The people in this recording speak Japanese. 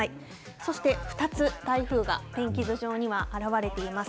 そして、２つ台風が天気図上には表れています。